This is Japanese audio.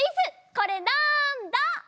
これなんだ？